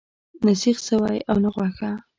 نه سیخ سوی او نه غوښه.